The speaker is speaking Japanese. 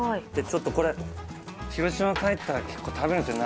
ちょっとこれ広島帰ったら結構食べるんすよ